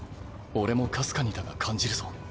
俺もかすかにだが感じるぞ。